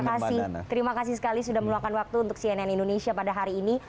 terima kasih terima kasih sekali sudah meluangkan waktu untuk cnn indonesia pada hari ini